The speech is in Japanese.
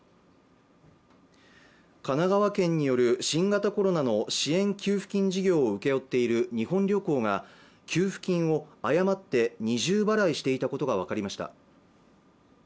神奈川県による新型コロナの支援給付金事業を請け負っている日本旅行が給付金を誤って二重払いしていたことが分かりました